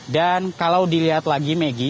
dan kalau dilihat lagi megi